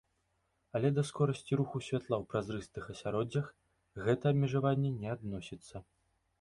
Але да скорасці руху святла ў празрыстых асяроддзях гэта абмежаванне не адносіцца.